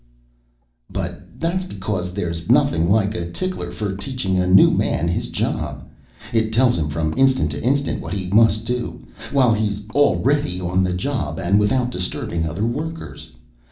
" but that's because there's nothing like a tickler for teaching a new man his job. It tells him from instant to instant what he must do while he's already on the job and without disturbing other workers.